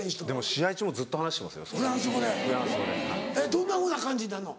どんなふうな感じになるの？